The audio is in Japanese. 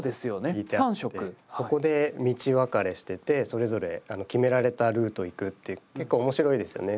引いてあってそこで道分かれしててそれぞれ決められたルート行くって結構面白いですよね